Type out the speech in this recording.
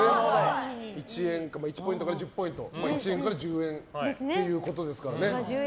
１ポイントから１０ポイントで１円から１０円ということですからね。